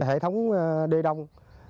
hệ thống đê đông